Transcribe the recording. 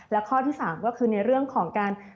และข้อที่๓ก็คือในเรื่องของการ